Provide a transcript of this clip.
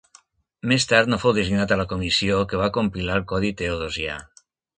Més tard no fou designat a la comissió que va compilar el codi Teodosià.